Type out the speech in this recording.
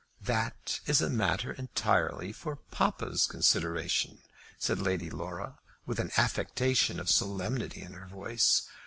"That is a matter entirely for papa's consideration," said Lady Laura, with an affectation of solemnity in her voice.